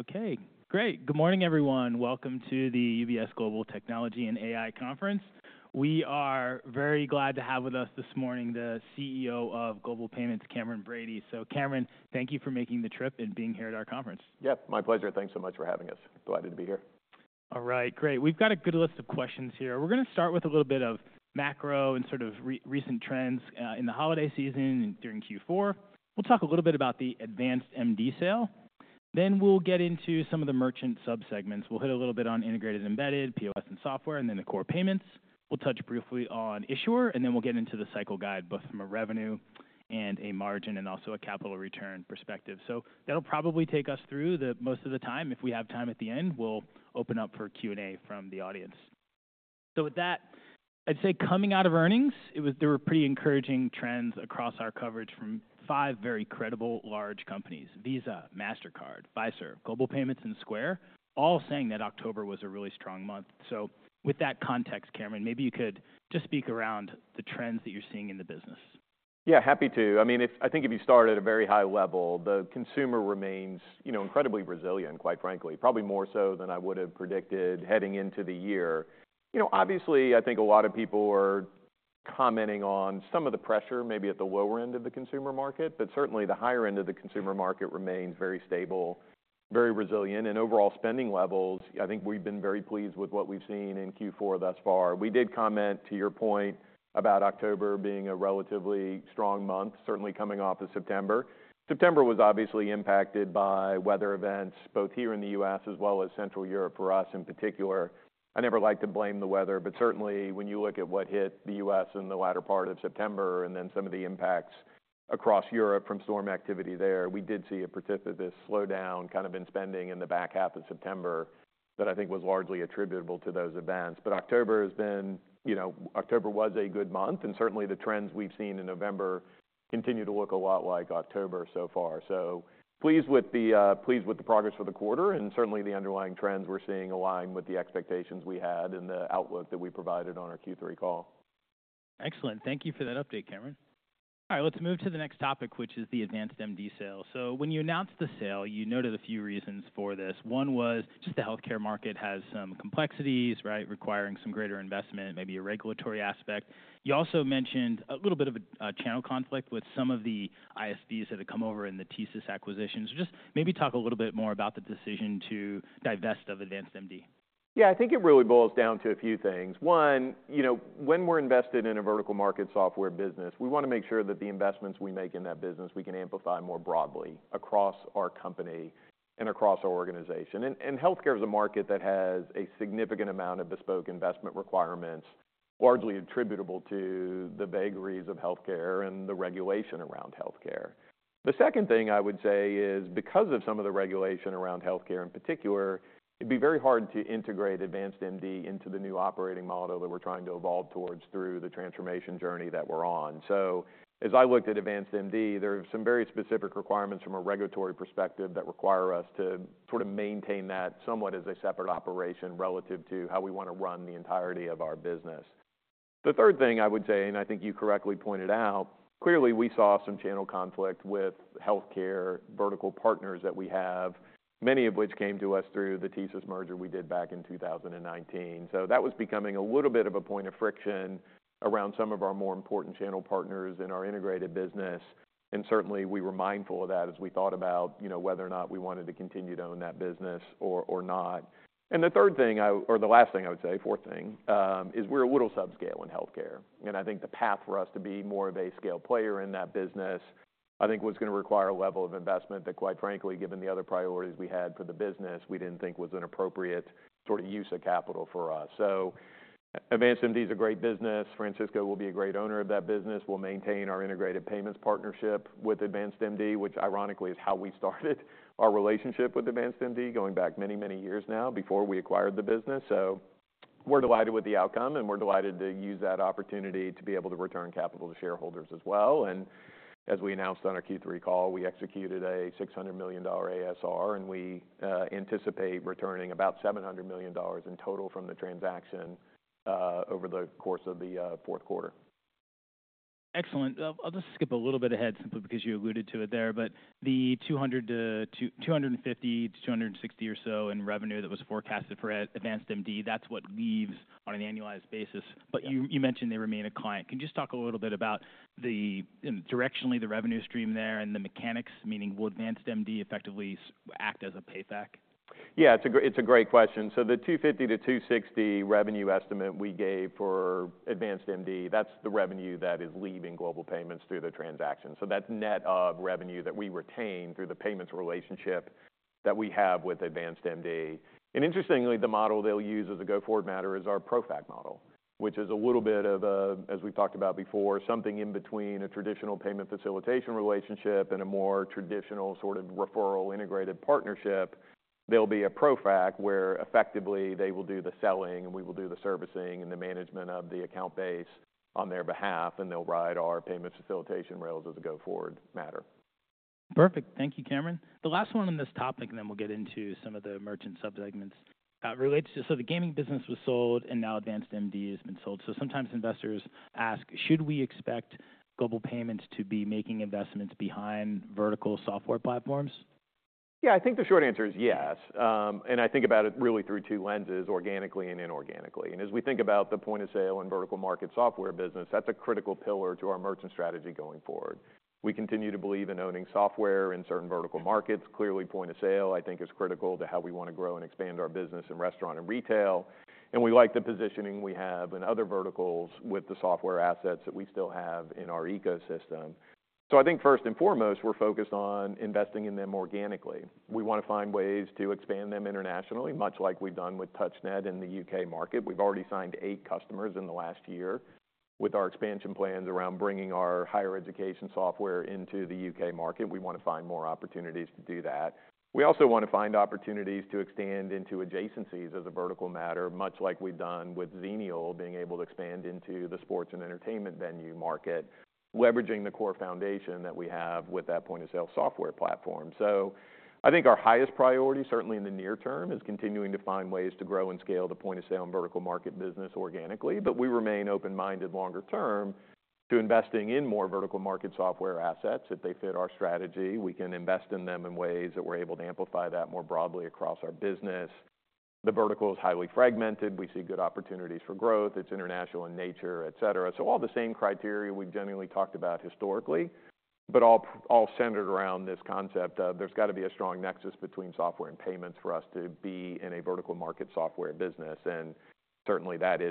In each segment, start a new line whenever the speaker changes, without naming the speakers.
Okay, great. Good morning, everyone. Welcome to the UBS Global Technology and AI Conference. We are very glad to have with us this morning the CEO of Global Payments, Cameron Bready. So, Cameron, thank you for making the trip and being here at our conference.
Yep, my pleasure. Thanks so much for having us. Glad to be here.
All right, great. We've got a good list of questions here. We're going to start with a little bit of macro and sort of recent trends in the holiday season and during Q4. We'll talk a little bit about the AdvancedMD sale. Then we'll get into some of the merchant subsegments. We'll hit a little bit on integrated, embedded, POS, and software, and then the core payments. We'll touch briefly on issuer, and then we'll get into the FY guide, both from a revenue and a margin, and also a capital return perspective. So that'll probably take us through most of the time. If we have time at the end, we'll open up for Q&A from the audience. So with that, I'd say coming out of earnings, there were pretty encouraging trends across our coverage from five very credible large companies: Visa, Mastercard, Visa, Global Payments, and Square, all saying that October was a really strong month. So with that context, Cameron, maybe you could just speak around the trends that you're seeing in the business.
Yeah, happy to. I mean, I think if you start at a very high level, the consumer remains incredibly resilient, quite frankly, probably more so than I would have predicted heading into the year. Obviously, I think a lot of people are commenting on some of the pressure, maybe at the lower end of the consumer market, but certainly the higher end of the consumer market remains very stable, very resilient. And overall spending levels, I think we've been very pleased with what we've seen in Q4 thus far. We did comment, to your point, about October being a relatively strong month, certainly coming off of September. September was obviously impacted by weather events, both here in the U.S. as well as Central Europe for us in particular. I never like to blame the weather, but certainly when you look at what hit the U.S. in the latter part of September, and then some of the impacts across Europe from storm activity there, we did see a particular slowdown kind of in spending in the back half of September that I think was largely attributable to those events. But October has been. October was a good month, and certainly the trends we've seen in November continue to look a lot like October so far. So pleased with the progress for the quarter, and certainly the underlying trends we're seeing align with the expectations we had and the outlook that we provided on our Q3 call.
Excellent. Thank you for that update, Cameron. All right, let's move to the next topic, which is the AdvancedMD sale. So when you announced the sale, you noted a few reasons for this. One was just the healthcare market has some complexities, right, requiring some greater investment, maybe a regulatory aspect. You also mentioned a little bit of a channel conflict with some of the ISVs that have come over in the TSYS acquisitions. Just maybe talk a little bit more about the decision to divest of AdvancedMD.
Yeah, I think it really boils down to a few things. One, when we're invested in a vertical market software business, we want to make sure that the investments we make in that business we can amplify more broadly across our company and across our organization, and healthcare is a market that has a significant amount of bespoke investment requirements, largely attributable to the vagaries of healthcare and the regulation around healthcare. The second thing I would say is, because of some of the regulation around healthcare in particular, it'd be very hard to integrate AdvancedMD into the new operating model that we're trying to evolve towards through the transformation journey that we're on. So as I looked at AdvancedMD, there are some very specific requirements from a regulatory perspective that require us to sort of maintain that somewhat as a separate operation relative to how we want to run the entirety of our business. The third thing I would say, and I think you correctly pointed out, clearly we saw some channel conflict with healthcare vertical partners that we have, many of which came to us through the TSYS merger we did back in 2019. So that was becoming a little bit of a point of friction around some of our more important channel partners in our integrated business. And certainly we were mindful of that as we thought about whether or not we wanted to continue to own that business or not. And the third thing, or the last thing I would say, fourth thing, is we're a little subscale in healthcare. And I think the path for us to be more of a scale player in that business, I think was going to require a level of investment that, quite frankly, given the other priorities we had for the business, we didn't think was an appropriate sort of use of capital for us. So AdvancedMD is a great business. Francisco Partners will be a great owner of that business. We'll maintain our integrated payments partnership with AdvancedMD, which ironically is how we started our relationship with AdvancedMD going back many, many years now before we acquired the business. So we're delighted with the outcome, and we're delighted to use that opportunity to be able to return capital to shareholders as well. As we announced on our Q3 call, we executed a $600 million ASR, and we anticipate returning about $700 million in total from the transaction over the course of the fourth quarter.
Excellent. I'll just skip a little bit ahead simply because you alluded to it there, but the $250-$260 or so in revenue that was forecasted for AdvancedMD, that's what leaves on an annualized basis. But you mentioned they remain a client. Can you just talk a little bit about directionally the revenue stream there and the mechanics, meaning will AdvancedMD effectively act as a payback?
Yeah, it's a great question. So the 250-260 revenue estimate we gave for AdvancedMD, that's the revenue that is leaving Global Payments through the transaction. So that's net revenue that we retain through the payments relationship that we have with AdvancedMD. And interestingly, the model they'll use as a go-forward matter is our ProFac model, which is a little bit of a, as we've talked about before, something in between a traditional payment facilitation relationship and a more traditional sort of referral integrated partnership. There'll be a ProFac where effectively they will do the selling, and we will do the servicing and the management of the account base on their behalf, and they'll ride our payment facilitation rails as a go-forward matter.
Perfect. Thank you, Cameron. The last one on this topic, and then we'll get into some of the merchant subsegments, relates to so the gaming business was sold and now AdvancedMD has been sold. So sometimes investors ask, should we expect Global Payments to be making investments behind vertical software platforms?
Yeah, I think the short answer is yes. And I think about it really through two lenses, organically and inorganically. And as we think about the point of sale and vertical market software business, that's a critical pillar to our merchant strategy going forward. We continue to believe in owning software in certain vertical markets. Clearly, point of sale, I think, is critical to how we want to grow and expand our business in restaurant and retail. And we like the positioning we have in other verticals with the software assets that we still have in our ecosystem. So I think first and foremost, we're focused on investing in them organically. We want to find ways to expand them internationally, much like we've done with TouchNet in the U.K. market. We've already signed eight customers in the last year with our expansion plans around bringing our higher education software into the U.K. market. We want to find more opportunities to do that. We also want to find opportunities to expand into adjacencies as a vertical matter, much like we've done with Xenial, being able to expand into the sports and entertainment venue market, leveraging the core foundation that we have with that point of sale software platform, so I think our highest priority, certainly in the near term, is continuing to find ways to grow and scale the point of sale and vertical market business organically, but we remain open-minded longer term to investing in more vertical market software assets if they fit our strategy. We can invest in them in ways that we're able to amplify that more broadly across our business. The vertical is highly fragmented. We see good opportunities for growth. It's international in nature, et cetera. So all the same criteria we've generally talked about historically, but all centered around this concept of there's got to be a strong nexus between software and payments for us to be in a vertical market software business. And certainly that's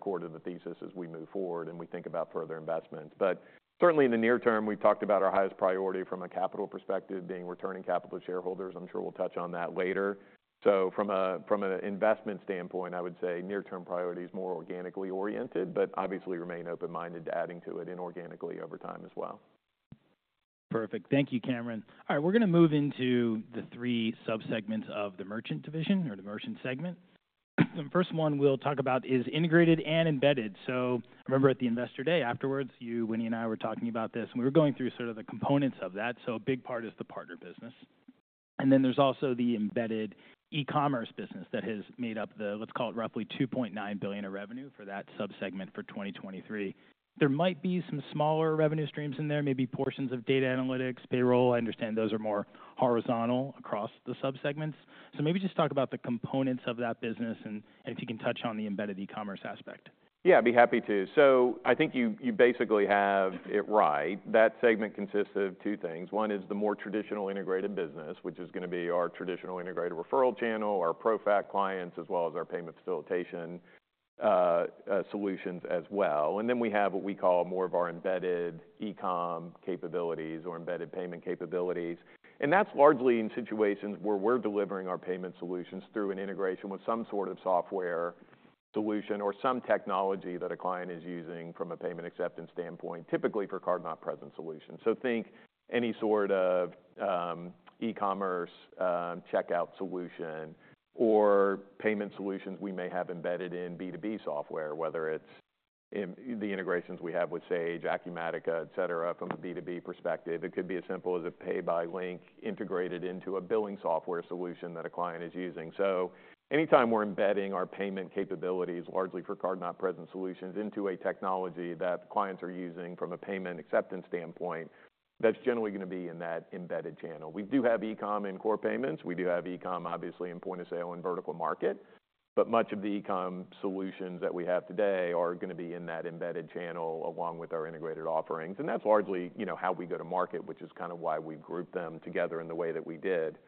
core to the thesis as we move forward and we think about further investments. But certainly in the near term, we've talked about our highest priority from a capital perspective being returning capital to shareholders. I'm sure we'll touch on that later. So from an investment standpoint, I would say near-term priority is more organically oriented, but obviously remain open-minded to adding to it inorganically over time as well.
Perfect. Thank you, Cameron. All right, we're going to move into the three subsegments of the merchant division or the merchant segment. The first one we'll talk about is integrated and embedded. So I remember at the investor day afterwards, you, Winnie, and I were talking about this, and we were going through sort of the components of that. So a big part is the partner business. And then there's also the embedded e-commerce business that has made up the, let's call it roughly $2.9 billion of revenue for that subsegment for 2023. There might be some smaller revenue streams in there, maybe portions of data analytics, payroll. I understand those are more horizontal across the subsegments. So maybe just talk about the components of that business and if you can touch on the embedded e-commerce aspect.
Yeah, I'd be happy to, so I think you basically have it right. That segment consists of two things. One is the more traditional integrated business, which is going to be our traditional integrated referral channel, our ProFac clients, as well as our payment facilitation solutions as well, and then we have what we call more of our embedded e-com capabilities or embedded payment capabilities, and that's largely in situations where we're delivering our payment solutions through an integration with some sort of software solution or some technology that a client is using from a payment acceptance standpoint, typically for card-not-present solutions, so think any sort of e-commerce checkout solution or payment solutions we may have embedded in B2B software, whether it's the integrations we have with Sage, Acumatica, et cetera, from a B2B perspective. It could be as simple as a pay-by-link integrated into a billing software solution that a client is using. So anytime we're embedding our payment capabilities, largely for card-not-present solutions, into a technology that clients are using from a payment acceptance standpoint, that's generally going to be in that embedded channel. We do have e-com in core payments. We do have e-com, obviously, in point of sale and vertical market. But much of the e-com solutions that we have today are going to be in that embedded channel along with our integrated offerings. And that's largely how we go to market, which is kind of why we've grouped them together in the way that we did.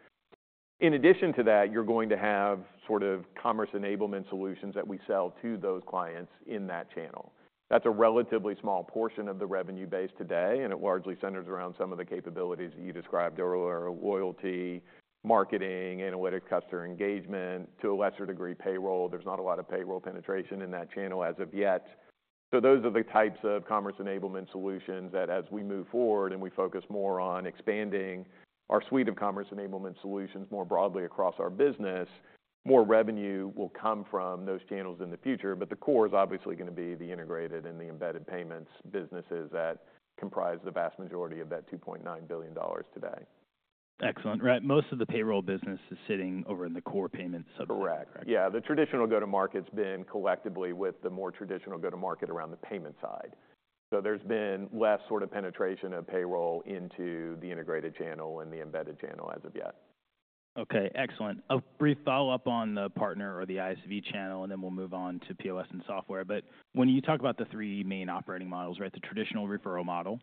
In addition to that, you're going to have sort of commerce enablement solutions that we sell to those clients in that channel. That's a relatively small portion of the revenue base today, and it largely centers around some of the capabilities that you described earlier: loyalty, marketing, analytics customer engagement, to a lesser degree payroll. There's not a lot of payroll penetration in that channel as of yet. So those are the types of commerce enablement solutions that, as we move forward and we focus more on expanding our suite of commerce enablement solutions more broadly across our business, more revenue will come from those channels in the future. But the core is obviously going to be the integrated and the embedded payments businesses that comprise the vast majority of that $2.9 billion today.
Excellent. Right. Most of the payroll business is sitting over in the core payments.
Correct. Yeah, the traditional go-to-market's been collectively with the more traditional go-to-market around the payment side, so there's been less sort of penetration of payroll into the integrated channel and the embedded channel as of yet.
Okay. Excellent. A brief follow-up on the partner or the ISV channel, and then we'll move on to POS and software. But when you talk about the three main operating models, right, the traditional referral model,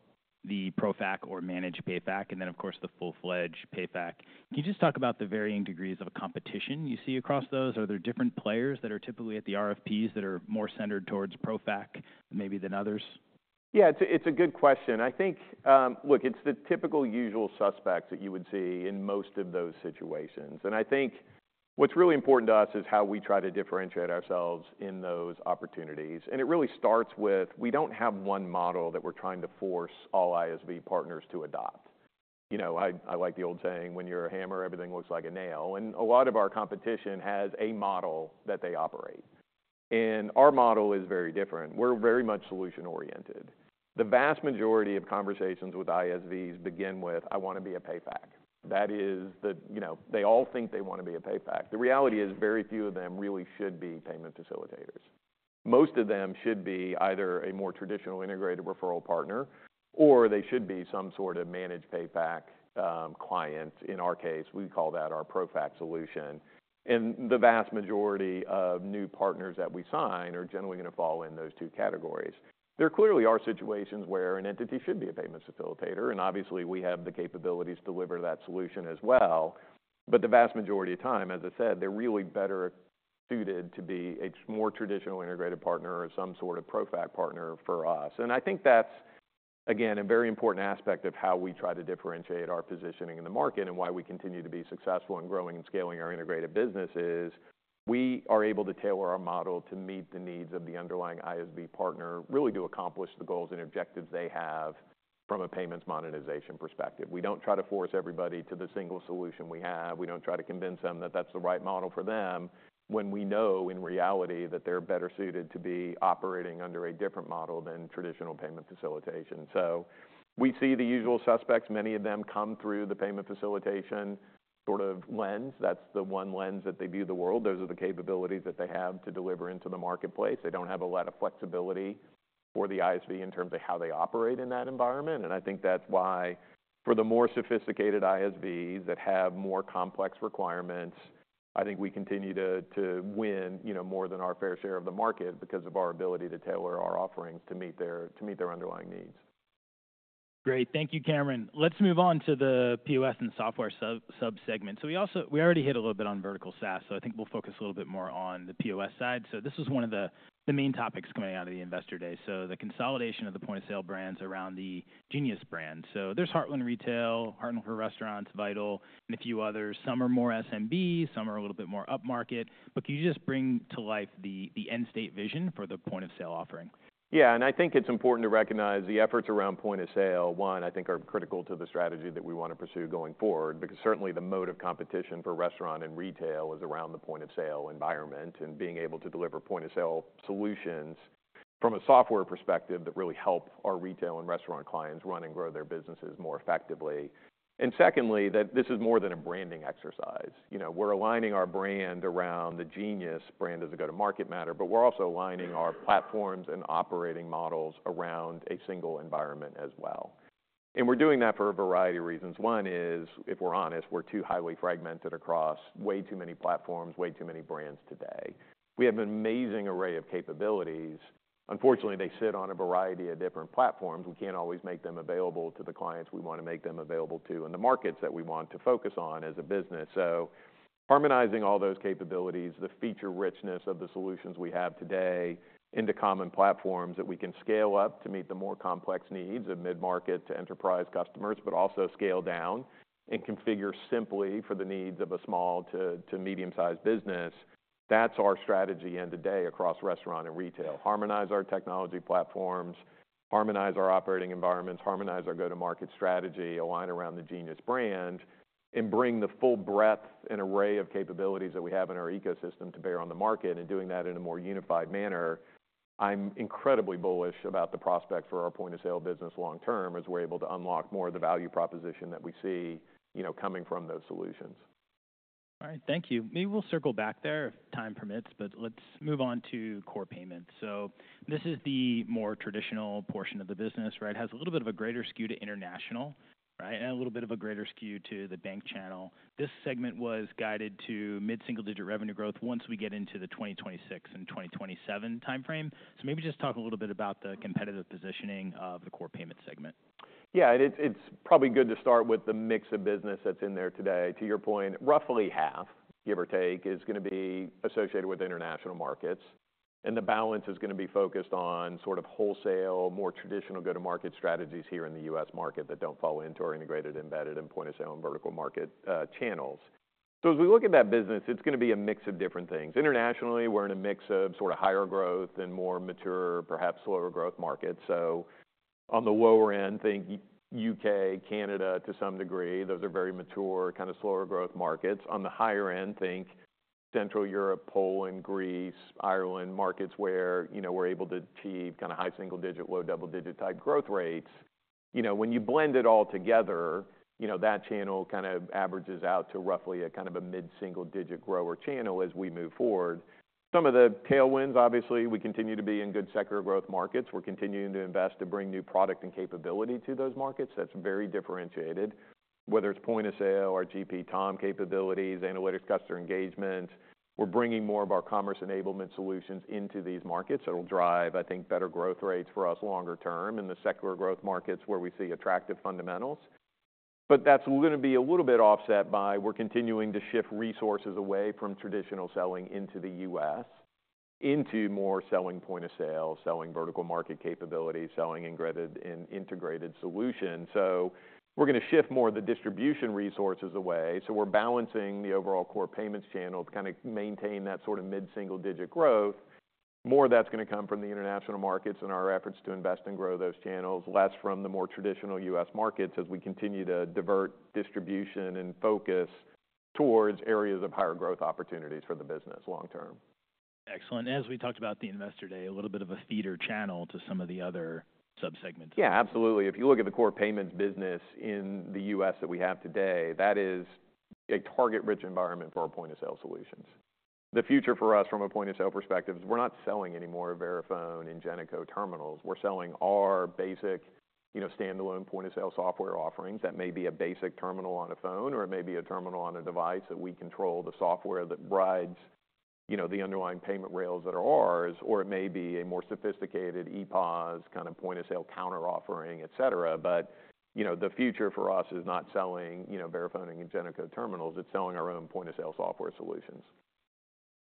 the ProFac or managed PayFac, and then, of course, the full-fledged PayFac, can you just talk about the varying degrees of competition you see across those? Are there different players that are typically at the RFPs that are more centered towards ProFac maybe than others?
Yeah, it's a good question. I think, look, it's the typical usual suspects that you would see in most of those situations, and I think what's really important to us is how we try to differentiate ourselves in those opportunities. And it really starts with we don't have one model that we're trying to force all ISV partners to adopt. I like the old saying, "When you're a hammer, everything looks like a nail," and a lot of our competition has a model that they operate, and our model is very different. We're very much solution-oriented. The vast majority of conversations with ISVs begin with, "I want to be a PayFac." That is, they all think they want to be a PayFac. The reality is very few of them really should be payment facilitators. Most of them should be either a more traditional integrated referral partner, or they should be some sort of managed PayFac client. In our case, we call that our ProFac solution. And the vast majority of new partners that we sign are generally going to fall in those two categories. There clearly are situations where an entity should be a payment facilitator, and obviously we have the capabilities to deliver that solution as well. But the vast majority of time, as I said, they're really better suited to be a more traditional integrated partner or some sort of ProFac partner for us. And I think that's, again, a very important aspect of how we try to differentiate our positioning in the market and why we continue to be successful in growing and scaling our integrated business is we are able to tailor our model to meet the needs of the underlying ISV partner, really to accomplish the goals and objectives they have from a payments monetization perspective. We don't try to force everybody to the single solution we have. We don't try to convince them that that's the right model for them when we know in reality that they're better suited to be operating under a different model than traditional payment facilitation. So we see the usual suspects, many of them come through the payment facilitation sort of lens. That's the one lens that they view the world. Those are the capabilities that they have to deliver into the marketplace. They don't have a lot of flexibility for the ISV in terms of how they operate in that environment, and I think that's why for the more sophisticated ISVs that have more complex requirements, I think we continue to win more than our fair share of the market because of our ability to tailor our offerings to meet their underlying needs.
Great. Thank you, Cameron. Let's move on to the POS and software subsegment, so we already hit a little bit on vertical SaaS, so I think we'll focus a little bit more on the POS side, so this was one of the main topics coming out of the investor day, so the consolidation of the point of sale brands around the Genius brand, so there's Heartland Retail, Heartland for Restaurants, Vital, and a few others. Some are more SMB, some are a little bit more up-market, but can you just bring to life the end state vision for the point of sale offering?
Yeah. And I think it's important to recognize the efforts around point of sale. One, I think, are critical to the strategy that we want to pursue going forward because certainly the mode of competition for restaurant and retail is around the point of sale environment and being able to deliver point of sale solutions from a software perspective that really help our retail and restaurant clients run and grow their businesses more effectively. And secondly, that this is more than a branding exercise. We're aligning our brand around the Genius brand as a go-to-market matter, but we're also aligning our platforms and operating models around a single environment as well. And we're doing that for a variety of reasons. One is, if we're honest, we're too highly fragmented across way too many platforms, way too many brands today. We have an amazing array of capabilities. Unfortunately, they sit on a variety of different platforms. We can't always make them available to the clients we want to make them available to and the markets that we want to focus on as a business. So harmonizing all those capabilities, the feature richness of the solutions we have today into common platforms that we can scale up to meet the more complex needs of mid-market to enterprise customers, but also scale down and configure simply for the needs of a small to medium-sized business. That's our strategy end of day across restaurant and retail. Harmonize our technology platforms, harmonize our operating environments, harmonize our go-to-market strategy, align around the Genius brand, and bring the full breadth and array of capabilities that we have in our ecosystem to bear on the market and doing that in a more unified manner. I'm incredibly bullish about the prospect for our point of sale business long term as we're able to unlock more of the value proposition that we see coming from those solutions.
All right. Thank you. Maybe we'll circle back there if time permits, but let's move on to core payments. So this is the more traditional portion of the business, right? It has a little bit of a greater skew to international, right, and a little bit of a greater skew to the bank channel. This segment was guided to mid-single-digit revenue growth once we get into the 2026 and 2027 timeframe. So maybe just talk a little bit about the competitive positioning of the core payment segment.
Yeah. It's probably good to start with the mix of business that's in there today. To your point, roughly half, give or take, is going to be associated with international markets. And the balance is going to be focused on sort of wholesale, more traditional go-to-market strategies here in the U.S. market that don't fall into our integrated, embedded, and point of sale and vertical market channels. So as we look at that business, it's going to be a mix of different things. Internationally, we're in a mix of sort of higher growth and more mature, perhaps slower growth markets. So on the lower end, think U.K., Canada to some degree. Those are very mature kind of slower growth markets. On the higher end, think Central Europe, Poland, Greece, Ireland, markets where we're able to achieve kind of high single-digit, low double-digit type growth rates. When you blend it all together, that channel kind of averages out to roughly a kind of a mid-single-digit grower channel as we move forward. Some of the tailwinds, obviously, we continue to be in good secular growth markets. We're continuing to invest to bring new product and capability to those markets. That's very differentiated, whether it's point of sale or GP Tom capabilities, analytics, customer engagement. We're bringing more of our commerce enablement solutions into these markets. It'll drive, I think, better growth rates for us longer term in the secular growth markets where we see attractive fundamentals. But that's going to be a little bit offset by we're continuing to shift resources away from traditional selling into the U.S. and into more selling point of sale, selling vertical market capabilities, selling integrated solutions. So we're going to shift more of the distribution resources away. So we're balancing the overall core payments channel to kind of maintain that sort of mid-single-digit growth. More of that's going to come from the international markets and our efforts to invest and grow those channels, less from the more traditional U.S. markets as we continue to divert distribution and focus towards areas of higher growth opportunities for the business long term.
Excellent. As we talked about the investor day, a little bit of a feeder channel to some of the other subsegments.
Yeah, absolutely. If you look at the core payments business in the US that we have today, that is a target-rich environment for our point of sale solutions. The future for us from a point of sale perspective is we're not selling any more of Verifone and Ingenico terminals. We're selling our basic standalone point of sale software offerings that may be a basic terminal on a phone or it may be a terminal on a device that we control the software that rides the underlying payment rails that are ours, or it may be a more sophisticated ePOS kind of point of sale counter offering, et cetera. But the future for us is not selling Verifone and Ingenico terminals. It's selling our own point of sale software solutions.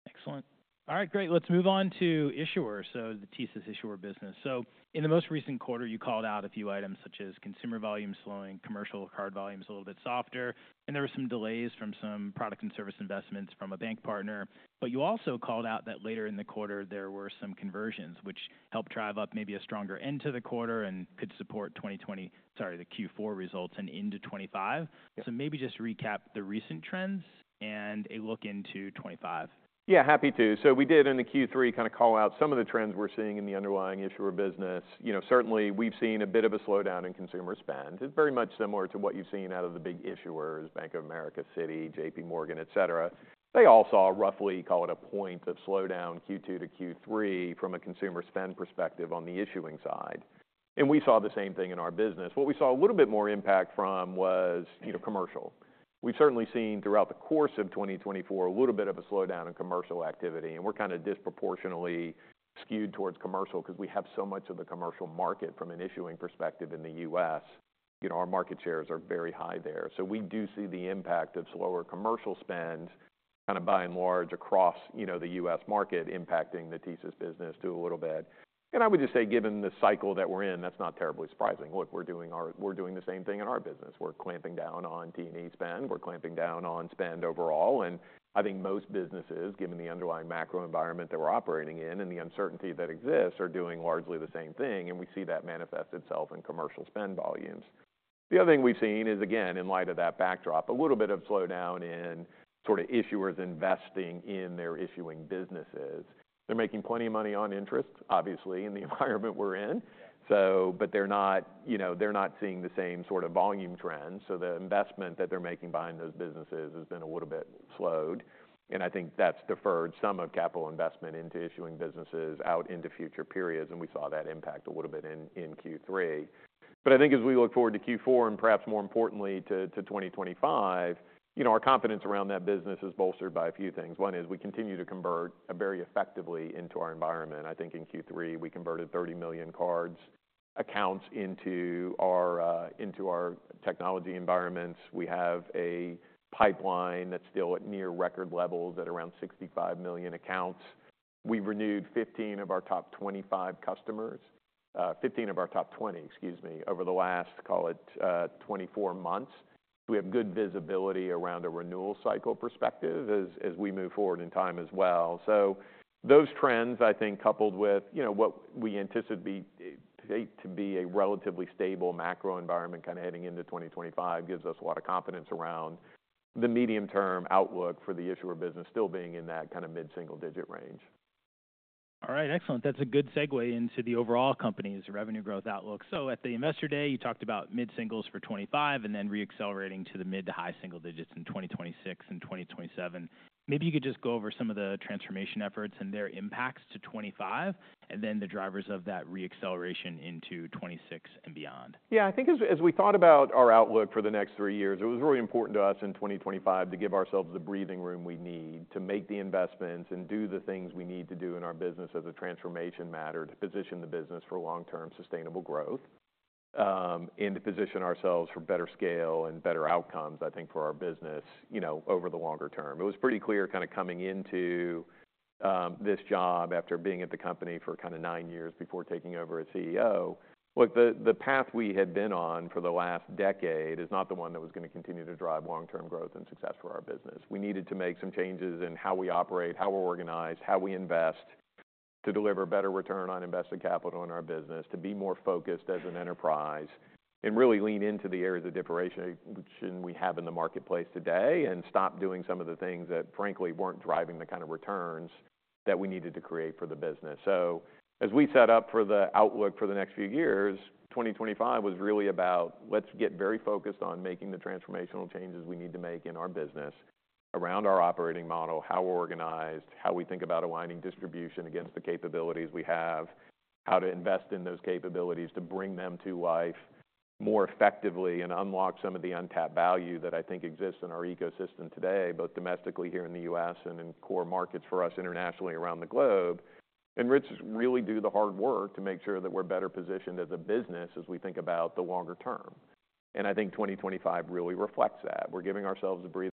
Excellent. All right. Great. Let's move on to issuers. So the TSYS issuer business. So in the most recent quarter, you called out a few items such as consumer volume slowing, commercial card volumes a little bit softer, and there were some delays from some product and service investments from a bank partner. But you also called out that later in the quarter, there were some conversions, which helped drive up maybe a stronger end to the quarter and could support 2020, sorry, the Q4 results and into 2025. So maybe just recap the recent trends and a look into 2025.
Yeah, happy to. So we did in the Q3 kind of call out some of the trends we're seeing in the underlying issuer business. Certainly, we've seen a bit of a slowdown in consumer spend. It's very much similar to what you've seen out of the big issuers, Bank of America, Citi, JP Morgan, et cetera. They all saw roughly, call it a point of slowdown Q2 to Q3 from a consumer spend perspective on the issuing side. And we saw the same thing in our business. What we saw a little bit more impact from was commercial. We've certainly seen throughout the course of 2024 a little bit of a slowdown in commercial activity. And we're kind of disproportionately skewed towards commercial because we have so much of the commercial market from an issuing perspective in the U.S. Our market shares are very high there. So we do see the impact of slower commercial spend kind of by and large across the U.S. market impacting the TSYS business to a little bit. And I would just say, given the cycle that we're in, that's not terribly surprising. Look, we're doing the same thing in our business. We're clamping down on T&E spend. We're clamping down on spend overall. And I think most businesses, given the underlying macro environment that we're operating in and the uncertainty that exists, are doing largely the same thing. And we see that manifest itself in commercial spend volumes. The other thing we've seen is, again, in light of that backdrop, a little bit of slowdown in sort of issuers investing in their issuing businesses. They're making plenty of money on interest, obviously, in the environment we're in. But they're not seeing the same sort of volume trends. So the investment that they're making behind those businesses has been a little bit slowed. And I think that's deferred some of capital investment into issuing businesses out into future periods. And we saw that impact a little bit in Q3. But I think as we look forward to Q4 and perhaps more importantly to 2025, our confidence around that business is bolstered by a few things. One is we continue to convert very effectively into our environment. I think in Q3, we converted 30 million card accounts into our technology environments. We have a pipeline that's still at near record levels at around 65 million accounts. We've renewed 15 of our top 25 customers, 15 of our top 20, excuse me, over the last, call it, 24 months. So we have good visibility around a renewal cycle perspective as we move forward in time as well. So those trends, I think, coupled with what we anticipate to be a relatively stable macro environment kind of heading into 2025, gives us a lot of confidence around the medium-term outlook for the issuer business still being in that kind of mid-single-digit range.
All right. Excellent. That's a good segue into the overall company's revenue growth outlook. So at the investor day, you talked about mid-singles for 2025 and then re-accelerating to the mid to high single digits in 2026 and 2027. Maybe you could just go over some of the transformation efforts and their impacts to 2025 and then the drivers of that re-acceleration into 2026 and beyond.
Yeah. I think as we thought about our outlook for the next three years, it was really important to us in 2025 to give ourselves the breathing room we need to make the investments and do the things we need to do in our business as a transformation matter to position the business for long-term sustainable growth and to position ourselves for better scale and better outcomes, I think, for our business over the longer term. It was pretty clear kind of coming into this job after being at the company for kind of nine years before taking over as CEO. Look, the path we had been on for the last decade is not the one that was going to continue to drive long-term growth and success for our business. We needed to make some changes in how we operate, how we're organized, how we invest to deliver better return on invested capital in our business, to be more focused as an enterprise and really lean into the areas of differentiation we have in the marketplace today and stop doing some of the things that, frankly, weren't driving the kind of returns that we needed to create for the business. So as we set up for the outlook for the next few years, 2025 was really about, let's get very focused on making the transformational changes we need to make in our business around our operating model, how we're organized, how we think about aligning distribution against the capabilities we have, how to invest in those capabilities to bring them to life more effectively and unlock some of the untapped value that I think exists in our ecosystem today, both domestically here in the U.S. and in core markets for us internationally around the globe, and really do the hard work to make sure that we're better positioned as a business as we think about the longer term. And I think 2025 really reflects that. We're giving ourselves a breathing room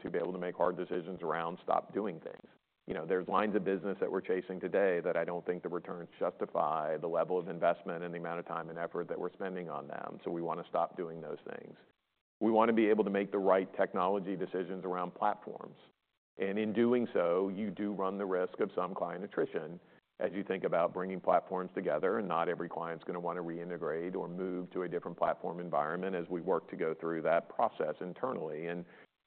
to be able to make hard decisions around stop doing things. There's lines of business that we're chasing today that I don't think the returns justify, the level of investment and the amount of time and effort that we're spending on them, so we want to stop doing those things. We want to be able to make the right technology decisions around platforms, and in doing so, you do run the risk of some client attrition as you think about bringing platforms together, and not every client's going to want to reintegrate or move to a different platform environment as we work to go through that process internally.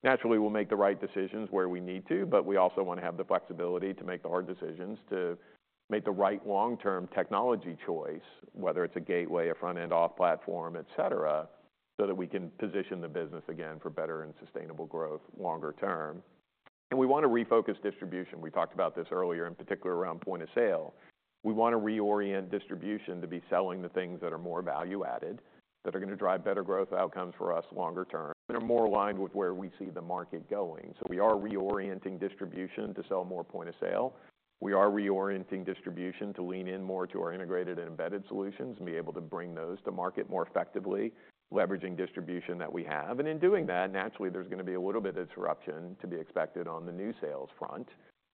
Naturally, we'll make the right decisions where we need to, but we also want to have the flexibility to make the hard decisions to make the right long-term technology choice, whether it's a gateway, a front-end, off-platform, et cetera, so that we can position the business again for better and sustainable growth longer term. We want to refocus distribution. We talked about this earlier, in particular around point of sale. We want to reorient distribution to be selling the things that are more value-added, that are going to drive better growth outcomes for us longer term and are more aligned with where we see the market going. We are reorienting distribution to sell more point of sale. We are reorienting distribution to lean in more to our integrated and embedded solutions and be able to bring those to market more effectively, leveraging distribution that we have. And in doing that, naturally, there's going to be a little bit of disruption to be expected on the new sales front.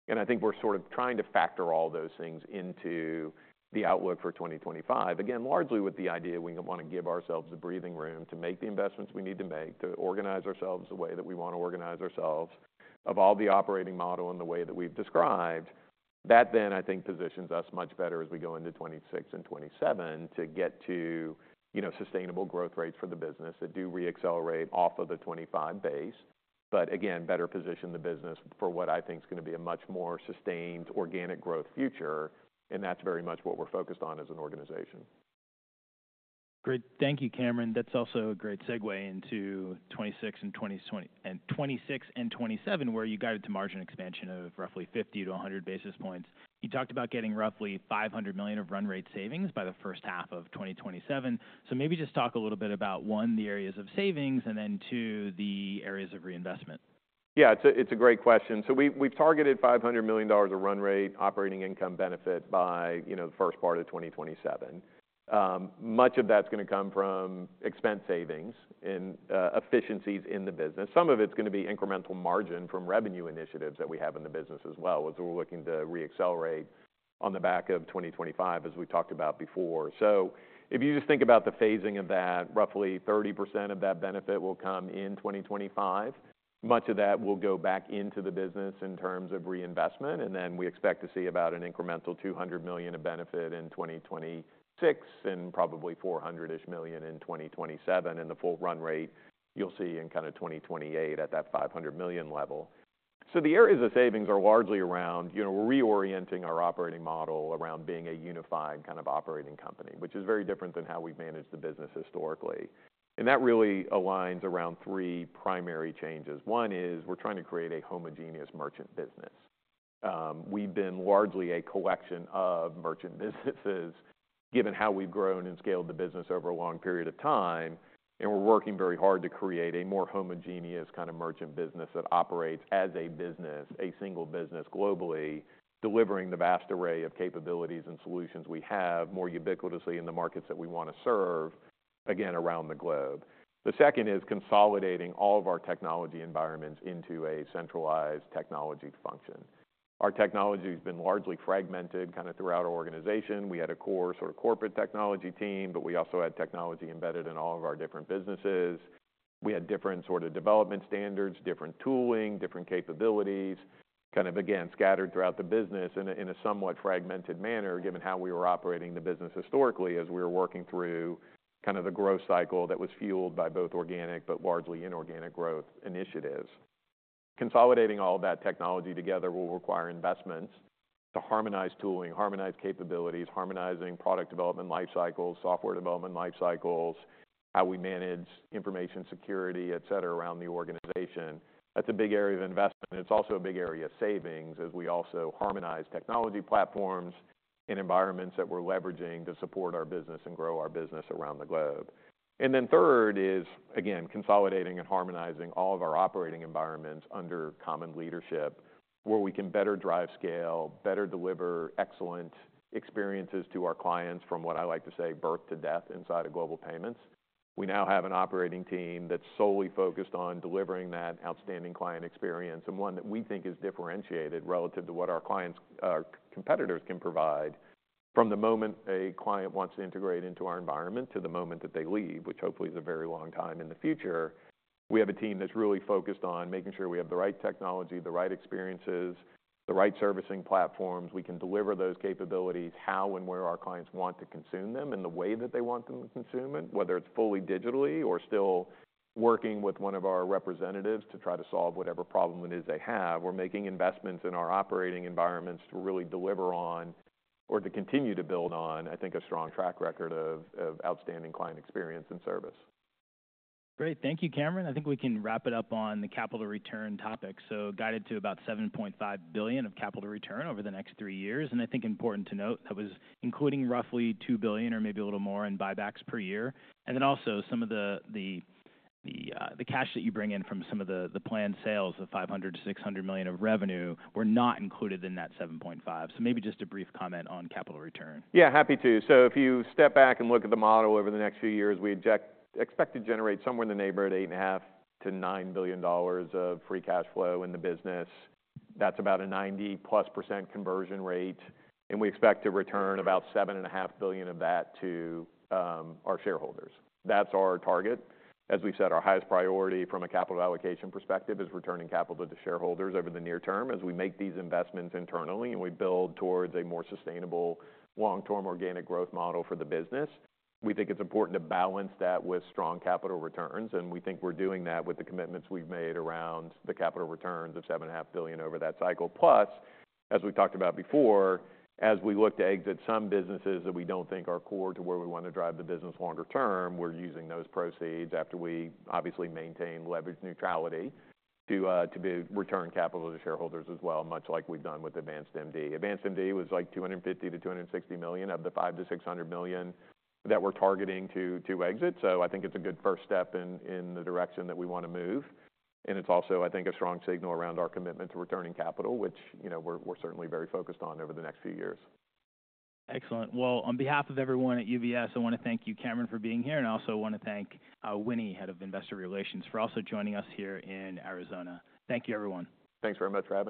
And I think we're sort of trying to factor all those things into the outlook for 2025, again, largely with the idea we want to give ourselves a breathing room to make the investments we need to make, to organize ourselves the way that we want to organize ourselves, evolve the operating model in the way that we've described. That then, I think, positions us much better as we go into 2026 and 2027 to get to sustainable growth rates for the business that do re-accelerate off of the 2025 base, but again, better position the business for what I think is going to be a much more sustained organic growth future. And that's very much what we're focused on as an organization.
Great. Thank you, Cameron. That's also a great segue into 2026 and 2027, where you guided to margin expansion of roughly 50-100 basis points. You talked about getting roughly $500 million of run rate savings by the first half of 2027. So maybe just talk a little bit about, one, the areas of savings, and then, two, the areas of reinvestment.
Yeah, it's a great question. So we've targeted $500 million of run rate operating income benefit by the first part of 2027. Much of that's going to come from expense savings and efficiencies in the business. Some of it's going to be incremental margin from revenue initiatives that we have in the business as well as we're looking to re-accelerate on the back of 2025, as we've talked about before. So if you just think about the phasing of that, roughly 30% of that benefit will come in 2025. Much of that will go back into the business in terms of reinvestment. And then we expect to see about an incremental $200 million of benefit in 2026 and probably $400-ish million in 2027. And the full run rate you'll see in kind of 2028 at that $500 million level. So the areas of savings are largely around reorienting our operating model around being a unified kind of operating company, which is very different than how we've managed the business historically. And that really aligns around three primary changes. One is we're trying to create a homogeneous merchant business. We've been largely a collection of merchant businesses, given how we've grown and scaled the business over a long period of time. And we're working very hard to create a more homogeneous kind of merchant business that operates as a business, a single business globally, delivering the vast array of capabilities and solutions we have more ubiquitously in the markets that we want to serve, again, around the globe. The second is consolidating all of our technology environments into a centralized technology function. Our technology has been largely fragmented kind of throughout our organization. We had a core sort of corporate technology team, but we also had technology embedded in all of our different businesses. We had different sort of development standards, different tooling, different capabilities, kind of again, scattered throughout the business in a somewhat fragmented manner, given how we were operating the business historically as we were working through kind of the growth cycle that was fueled by both organic but largely inorganic growth initiatives. Consolidating all that technology together will require investments to harmonize tooling, harmonize capabilities, harmonizing product development life cycles, software development life cycles, how we manage information security, et cetera, around the organization. That's a big area of investment. It's also a big area of savings as we also harmonize technology platforms in environments that we're leveraging to support our business and grow our business around the globe. And then third is, again, consolidating and harmonizing all of our operating environments under common leadership where we can better drive scale, better deliver excellent experiences to our clients from what I like to say, birth to death inside of Global Payments. We now have an operating team that's solely focused on delivering that outstanding client experience and one that we think is differentiated relative to what our competitors can provide. From the moment a client wants to integrate into our environment to the moment that they leave, which hopefully is a very long time in the future, we have a team that's really focused on making sure we have the right technology, the right experiences, the right servicing platforms. We can deliver those capabilities how and where our clients want to consume them and the way that they want them to consume it, whether it's fully digitally or still working with one of our representatives to try to solve whatever problem it is they have. We're making investments in our operating environments to really deliver on or to continue to build on, I think, a strong track record of outstanding client experience and service.
Great. Thank you, Cameron. I think we can wrap it up on the capital return topic. So guided to about $7.5 billion of capital return over the next three years. And I think important to note that was including roughly $2 billion or maybe a little more in buybacks per year. And then also some of the cash that you bring in from some of the planned sales of $500 million-$600 million of revenue were not included in that $7.5. So maybe just a brief comment on capital return.
Yeah, happy to. So if you step back and look at the model over the next few years, we expect to generate somewhere in the neighborhood of $8.5-$9 billion of free cash flow in the business. That's about a 90-plus% conversion rate. And we expect to return about $7.5 billion of that to our shareholders. That's our target. As we said, our highest priority from a capital allocation perspective is returning capital to the shareholders over the near term as we make these investments internally and we build towards a more sustainable long-term organic growth model for the business. We think it's important to balance that with strong capital returns. And we think we're doing that with the commitments we've made around the capital returns of $7.5 billion over that cycle. Plus, as we talked about before, as we look to exit some businesses that we don't think are core to where we want to drive the business longer term, we're using those proceeds after we obviously maintain leverage neutrality to return capital to shareholders as well, much like we've done with AdvancedMD. AdvancedMD was like $250 million-$260 million of the $500 million-$600 million that we're targeting to exit. So I think it's a good first step in the direction that we want to move. And it's also, I think, a strong signal around our commitment to returning capital, which we're certainly very focused on over the next few years.
Excellent. Well, on behalf of everyone at UBS, I want to thank you, Cameron, for being here. And I also want to thank Winnie, head of investor relations, for also joining us here in Arizona. Thank you, everyone.
Thanks very much for having us.